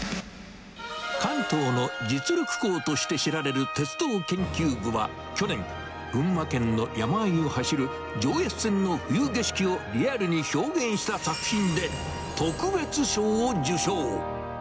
関東の実力校として知られる鉄道研究部は去年、群馬県の山あいを走る上越線の冬景色をリアルに表現した作品で特別賞を受賞。